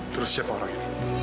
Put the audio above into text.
terus siapa orang ini